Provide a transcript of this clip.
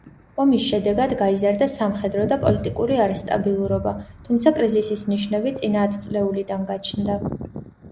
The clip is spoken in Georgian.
ომის შედეგად გაიზარდა სამხედრო და პოლიტიკური არასტაბილურობა, თუმცა კრიზისის ნიშნები წინა ათწლეულიდან გაჩნდა.